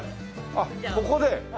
あっここで？